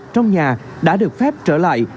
trong nhà đã được phép trở lại